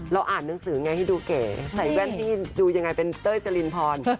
อ่านหนังสือไงให้ดูเก๋ใส่แว่นนี่ดูยังไงเป็นเต้ยจรินพร